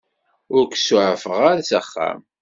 Ur k-suɛfeɣ ara s axxam.